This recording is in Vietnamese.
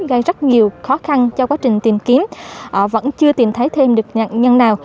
gây rất nhiều khó khăn cho quá trình tìm kiếm vẫn chưa tìm thấy thêm được nạn nhân nào